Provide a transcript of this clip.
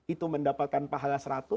itu mendapatkan pahala seratus